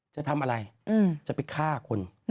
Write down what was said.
จะทำอะไรจะไปฆ่าคน